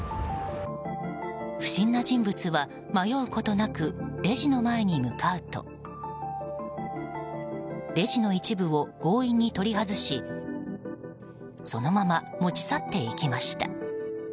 不審な人物は迷うことなくレジの前に向かうとレジの一部を強引に取り外しそのまま持ち去っていきました。